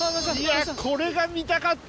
これが見たかった！